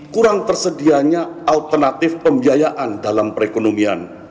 kurang tersedianya alternatif kualitas sumber daya manusia